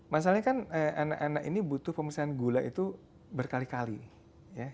masalahnya kan anak anak ini butuh pemisahan gula itu berkali kali ya